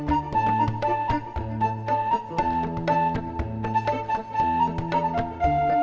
apaan beach nusopeng